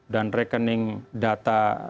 dan rekening data